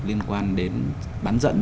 liên quan đến bán dẫn